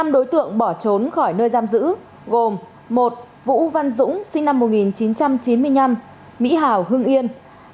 năm đối tượng bỏ trốn khỏi nơi giam giữ gồm một vũ văn dũng sinh năm một nghìn chín trăm chín mươi năm mỹ hào hưng yên